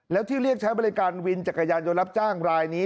แล้วที่เรียกใช้บริการวินจักรยานยนต์รับจ้างรายนี้